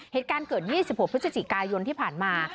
เหตุการณ์เกิด๒๖พฤศจิกายนที่ผ่านมา